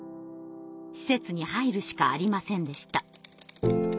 施設に入るしかありませんでした。